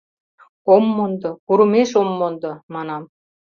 — Ом мондо, курымеш ом мондо! — манам.